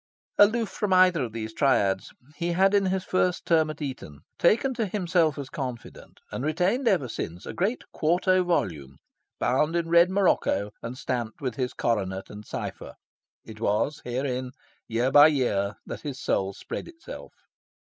Aloof from either of these triads, he had in his first term at Eton taken to himself as confidant, and retained ever since, a great quarto volume, bound in red morocco and stamped with his coronet and cypher. It was herein, year by year, that his soul spread itself.